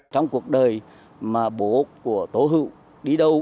trong cuộc đời mà bố của tổ hữu đi đâu